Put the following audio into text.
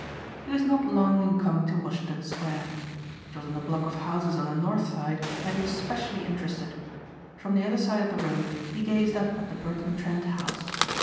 He was not long in coming to Washington Square. It was in the block of houses on the north side that he was specially interested. From the other side of the road he gazed up at the Burton Trent house.